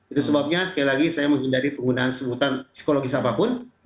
itu sebabnya sekali lagi saya menghindari penggunaan sebutan psikologis apapun